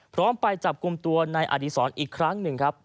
พร้อมไปจับกลุ่มตัวในอาธิสรอีกครั้งนึงครับ